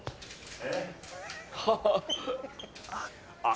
えっ？